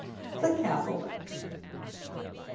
THE CATHOLICK.